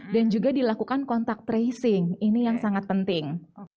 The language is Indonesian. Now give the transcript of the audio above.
dan juga dilakukan kontak tracing ini yang sangat penting